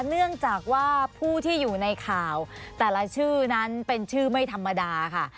เนื่องจากว่าผู้ที่อยู่ในข่าวแต่ละชื่อนั้นเป็นชื่อไม่ธรรมดาค่ะ